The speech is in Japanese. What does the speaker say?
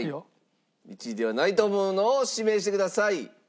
１位ではないと思うのを指名してください。